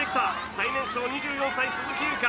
最年少、２４歳鈴木優花。